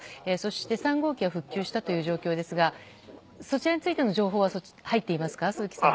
そして、３号機は復旧したという状況ですがそちらについての情報は入っていますか？